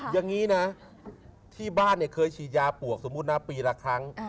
อย่างนี้นะที่บ้านเนี่ยเคยฉีดยาปวกสมมุตินะปีละครั้ง